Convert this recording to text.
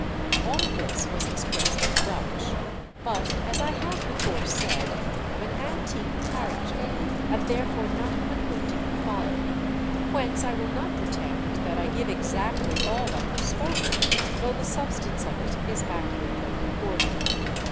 All this was expressed in Dutch, but as I have before said, of an antique character, and therefore not quickly to be followed ; whence I will not pretend that I give exactly all that was spoken, though the substance of it is accurately reported.